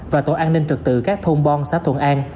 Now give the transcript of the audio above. và tổ an ninh trực tự các thôn bon xã thuận an